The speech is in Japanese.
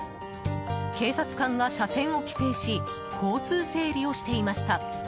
警察官が車線を規制し交通整理をしていました。